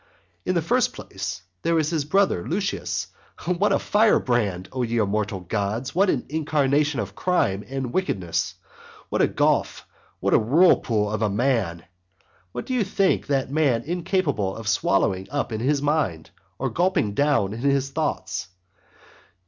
In the first place, there is his brother Lucius what a firebrand, O ye immortal gods! what an incarnation of crime and wickedness! what a gulf, what a whirlpool of a man! What do you think that man incapable of swallowing up in his mind, or gulping down in his thoughts!